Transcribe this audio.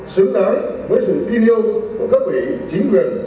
xứng đáng với sự kỷ niêu của các quỹ chính quyền